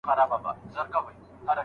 شمع سې پانوس دي کم پتنګ دي کم